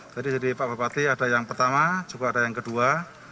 jadi pak bapak patli ada yang pertama juga ada yang kedua